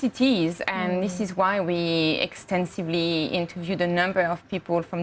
dan itulah sebabnya kami telah menginterview banyak orang